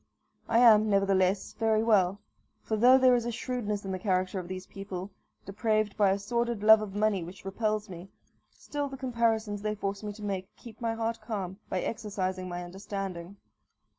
I am, nevertheless, very well; for though there is a shrewdness in the character of these people, depraved by a sordid love of money which repels me, still the comparisons they force me to make keep my heart calm by exercising my understanding.